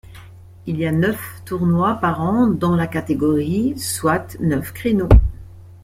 Il y a neuf tournois par an dans la catégorie soit neuf créneaux.